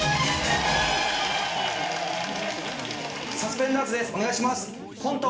サスペンダーズですお願いしますコント